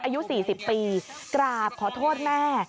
อายุ๔๐ปีกราบขอโทษแม่